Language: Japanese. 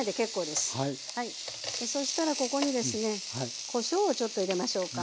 でそしたらここにですねこしょうをちょっと入れましょうか。